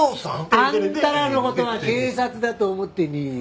「テレテレテ」あんたらの事は警察だと思ってねえよ。